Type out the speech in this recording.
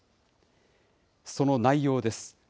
その内容です。